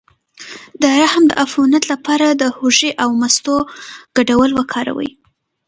د رحم د عفونت لپاره د هوږې او مستو ګډول وکاروئ